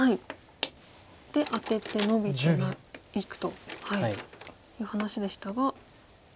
でアテてノビていくという話でしたが。